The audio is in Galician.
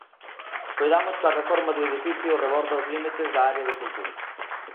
Coidamos que a reforma do edificio reborda os límites da área de Cultura.